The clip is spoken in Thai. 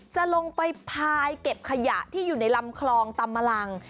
จะลงไปพายเก็บขยะที่อยู่ในลำคลองตำมะลัง